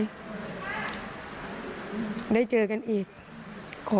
คุณพ่อครับสารงานต่อของคุณพ่อครับ